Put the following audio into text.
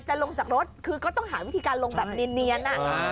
ลงจากรถคือก็ต้องหาวิธีการลงแบบเนียน